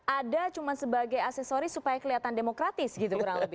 ada cuma sebagai aksesoris supaya kelihatan demokratis gitu kurang lebih